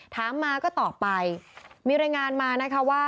ถามมาก็ตอบไปมีรายงานมานะคะว่า